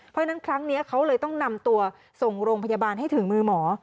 เพราะฉะนั้นครั้งนี้เขาเลยต้องนำตัวส่งโรงพยาบาลให้ถึงมือหมอ